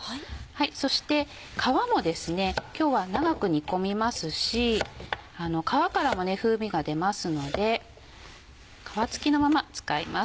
そして皮もですね今日は長く煮込みますし皮からも風味が出ますので皮つきのまま使います。